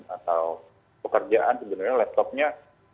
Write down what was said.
atau pekerjaan sebenarnya laptopnya